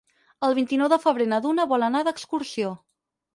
El vint-i-nou de febrer na Duna vol anar d'excursió.